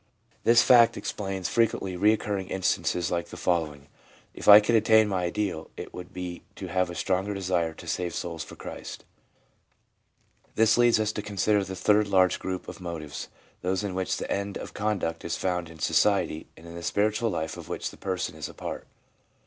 This fact explains frequently recurring instances like the follow ing : 'If I could attain my ideal, it would be to have a stronger desire to save souls for Christ/ This leads us to consider the third large group of motives, those in which the end of conduct is found in society and in the spiritual life of which the person is a part.